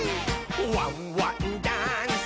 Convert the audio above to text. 「ワンワンダンス！」